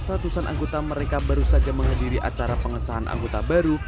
ratusan anggota mereka baru saja menghadiri acara pengesahan anggota baru